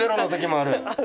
ある。